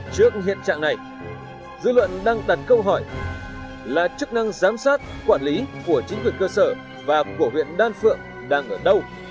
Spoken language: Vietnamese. trước hiện trạng này dư luận đang đặt câu hỏi là chức năng giám sát quản lý của chính quyền cơ sở và của huyện đan phượng đang ở đâu